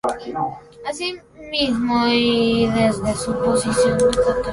Asimismo, y desde su posición de católico, cuestionó la concepción laica de la reforma.